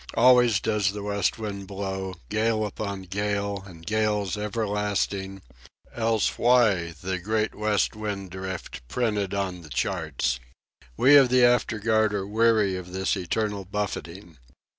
Always does the west wind blow, gale upon gale and gales everlasting, else why the "Great West Wind Drift" printed on the charts! We of the afterguard are weary of this eternal buffeting.